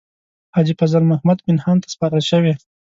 حاجي فضل محمد پنهان ته سپارل شوې.